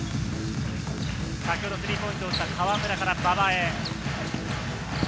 先ほどスリーポイントを打った河村から馬場へ。